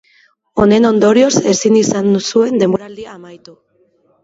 Honen ondorioz ezin izan zuen denboraldia amaitu.